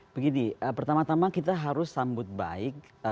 begini pertama tama kita harus sambut baik